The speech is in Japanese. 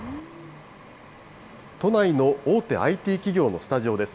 都内の大手ＩＴ企業のスタジオです。